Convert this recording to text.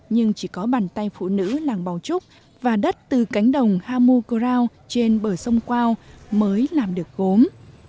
nhưng chỉ có bàn tay phụ nữ làng bảo trúc và đất từ cánh đồng hamu coral trên bờ sông quao mới làm được gốm